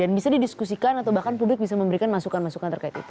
dan bisa didiskusikan atau bahkan publik bisa memberikan masukan masukan terkait itu